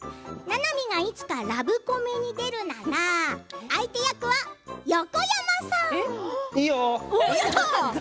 ななみがいつかラブコメに出るなら、相手役は横山さん！